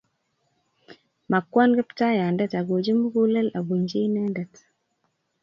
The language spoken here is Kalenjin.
Makwa Kiptaiyandet agochi mugulel abunji inendet